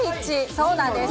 そうなんです。